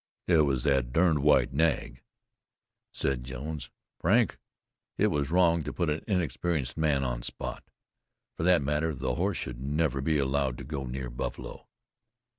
"It was that darned white nag," said Jones. "Frank, it was wrong to put an inexperienced man on Spot. For that matter, the horse should never be allowed to go near the buffalo."